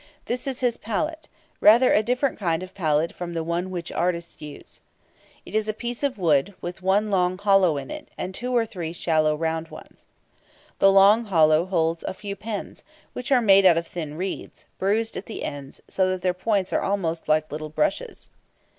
This is his palette; rather a different kind of palette from the one which artists use. It is a piece of wood, with one long hollow in it, and two or three shallow round ones. The long hollow holds a few pens, which are made out of thin reeds, bruised at the ends, so that their points are almost like little brushes.